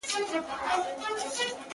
جولا سوی لا نه ئې، بيا نېچې غلا کوې.